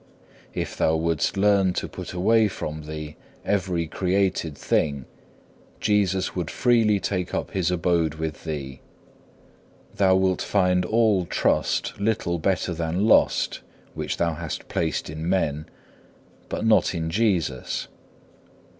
If thou wouldst learn to put away from thee every created thing, Jesus would freely take up His abode with thee. Thou wilt find all trust little better than lost which thou hast placed in men, and not in Jesus.